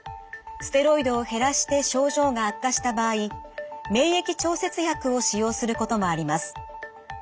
ステロイドを減らして症状が悪化した場合免疫調節薬を使用することもあります。